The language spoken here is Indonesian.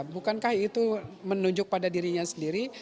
bukankah itu menunjuk pada dirinya sendiri